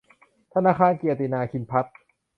ธนาคารเกียรตินาคินภัทร